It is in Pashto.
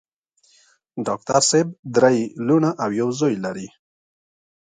ډاکټر صېب درې لوڼه او يو زوے لري